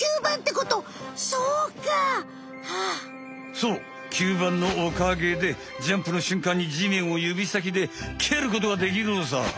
そう吸盤のおかげでジャンプのしゅんかんにじめんをゆびさきでけることができるのさ。